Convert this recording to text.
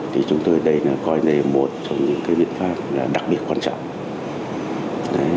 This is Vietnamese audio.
thì chúng tôi đây là coi đây là một trong những biện pháp đặc biệt quan trọng